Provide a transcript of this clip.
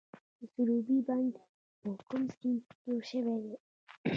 د سروبي بند په کوم سیند جوړ شوی دی؟